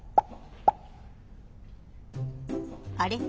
あれ？